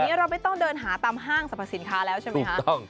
เดี๋ยวนี้เราไม่ต้องเดินหาตามห้างสรรพสินค้าแล้วใช่ไหมครับถูกต้อง